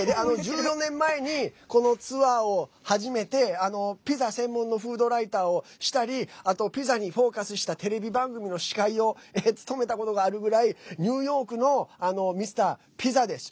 １４年前に、このツアーを始めてピザ専門のフードライターをしたりあと、ピザにフォーカスしたテレビ番組の司会を務めたことがあるぐらいニューヨークのミスター・ピザです。